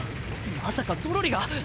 まさかゾロリが！？